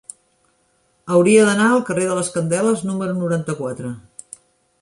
Hauria d'anar al carrer de les Candeles número noranta-quatre.